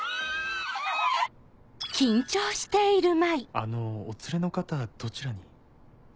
あのお連れの方どちらに？